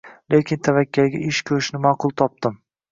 Lekin tavakkaliga ish ko`rishni ma`qul topdim